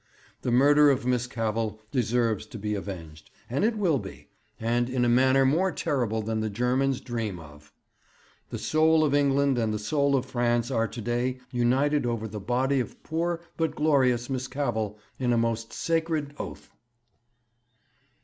The murder of Miss Cavell deserves to be avenged, and it will be, and in a manner more terrible than the Germans dream of. The soul of England and the soul of France are to day united over the body of poor but glorious Miss Cavell in a most sacred oath.'